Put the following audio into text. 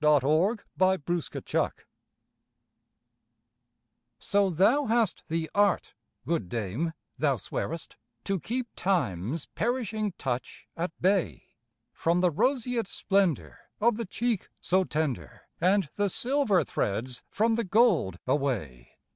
THE LADY AND THE DAME So, thou hast the art, good dame, thou swearest, To keep Time's perishing touch at bay From the roseate splendour of the cheek so tender, And the silver threads from the gold away.